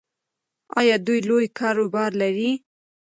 ایا دوی لوی کاروبار لري؟